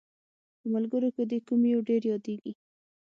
په ملګرو کې دې کوم یو ډېر یادیږي؟